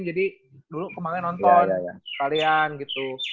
jadi dulu kemarin nonton sekalian gitu